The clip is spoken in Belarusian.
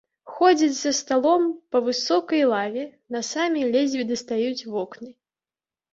Ходзяць за сталом па высокай лаве, насамі ледзьве дастаюць вокны.